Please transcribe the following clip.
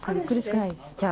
苦しくないです？